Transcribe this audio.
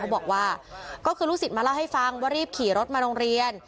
บอกว่าก็คือลูกศิษย์มาเล่าให้ฟังว่ารีบขี่รถมาโรงเรียน